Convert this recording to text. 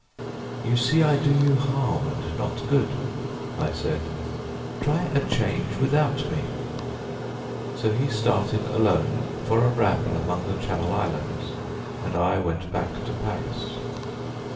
"You see I do you harm and not good," I said. "Try a change without me." So he started alone for a ramble among the Channel Islands, and I went back to Paris.